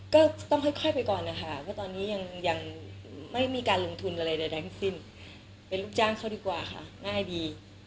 ก็ต้องค่อยไปก่อนนะคะว่าตอนนี้ยังไม่มีการลงทุนอะไรใดทั้งสิ้นเป็นลูกจ้างเขาดีกว่าค่ะง่ายดี